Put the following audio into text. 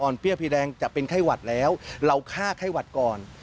เปรี้ยพีแดงจะเป็นไข้หวัดแล้วเราฆ่าไข้หวัดก่อน